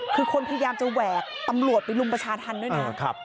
คือคนพยายามจะแหวกตำรวจไปรุมประชาธรรมด้วยนะ